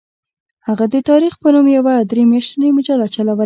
هغه د تاریخ په نوم یوه درې میاشتنۍ مجله چلوله.